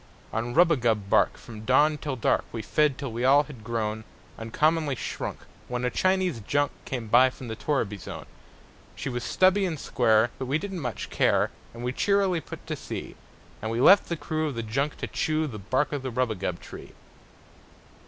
On rubagub bark, from dawn to dark, We fed, till we all had grown Uncommonly shrunk, when a Chinese junk Came by from the torriby zone. She was stubby and square, but we didn't much care, And we cheerily put to sea; And we left the crew of the junk to chew The bark of the rubagub tree.